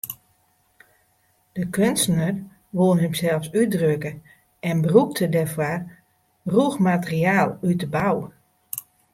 De keunstner woe himsels útdrukke en brûkte dêrfoar rûch materiaal út de bou.